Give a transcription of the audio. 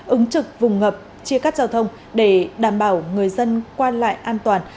ứng trực vùng ngập chia cắt giao thông để đảm bảo người dân qua lại an toàn